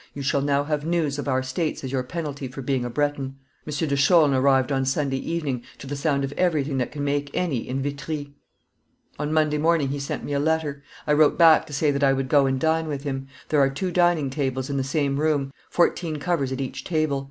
"You shall now have news of our states as your penalty for being a Breton. M. de Chaulnes arrived on Sunday evening, to the sound of everything that can make any in Vitry. On Monday morning he sent me a letter; I wrote back to say that I would go and dine with him. There are two dining tables in the same room; fourteen covers at each table.